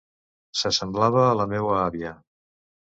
S'assemblava a la meua àvia...